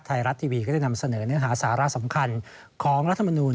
ไทยรัฐทีวีก็ได้นำเสนอเนื้อหาสาระสำคัญของรัฐมนูล